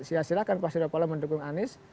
ya silahkan pak suryapalo mendukung anies